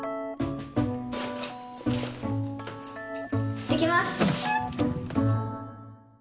行ってきます！